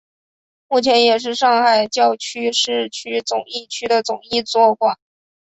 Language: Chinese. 目前也是上海教区市区总铎区的总铎座堂。